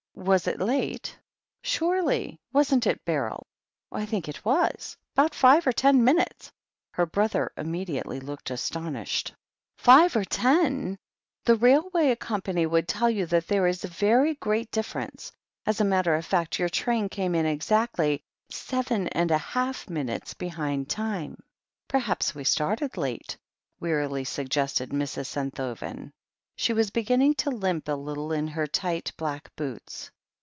"Was it late?" "Surely. Wasn't it, Beryl?" "I think it was. About five or ten minutes." Her brother immediately looked astonished. THE HEEL OF ACHILLES 7 "Five or ten ! The railway company would tell you that there is a very great difference. As a matter of fact, your train came in exactly seven and a half minutes behind time." "Perhaps we started late," wearily suggested Mrs. Scnthoven. She was beginning to limp a little in her tight, black boots.